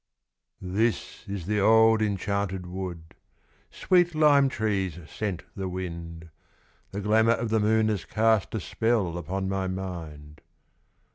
This is the old enchanted wood, Sweet lime trees scent the wind; The glamor of the moon has cast A spell upon my mind.